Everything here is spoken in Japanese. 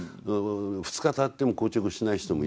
２日たっても硬直しない人もいる。